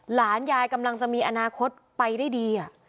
หลานยายกำลังจะมีอนาคตไปได้ดี